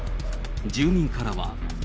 住民からは。